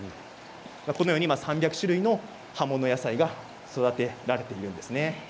このように３００種類の葉物野菜が育てられています。